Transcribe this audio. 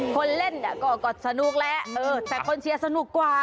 คนเล่นก็สนุกแหละแต่คนเชียร์สนุกกว่า